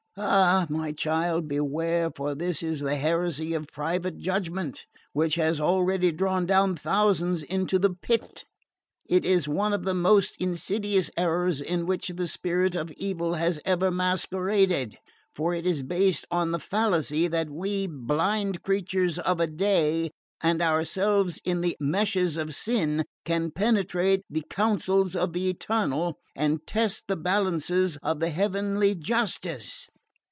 "Ah, my child, beware, for this is the heresy of private judgment, which has already drawn down thousands into the pit. It is one of the most insidious errors in which the spirit of evil has ever masqueraded; for it is based on the fallacy that we, blind creatures of a day, and ourselves in the meshes of sin, can penetrate the counsels of the Eternal, and test the balances of the heavenly Justice.